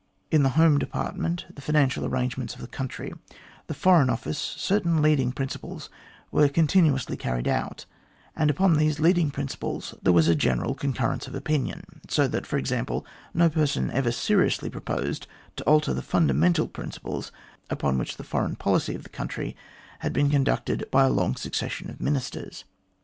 In the Home Department, the financial arrangements of the country, the Foreign Office, certain leading principles were continuously carried out, and upon those leading principles there was a general con currence of opinion, so that, for example, no person ever seriously proposed to alter the fundamental principles upon which the foreign policy of the country had been con ducted by a long succession of Ministers.